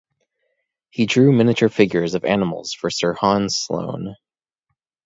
He drew miniature figures of animals for Sir Hans Sloane.